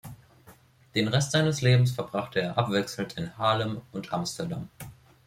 Den Rest seines Lebens verbrachte er abwechselnd in Haarlem und Amsterdam.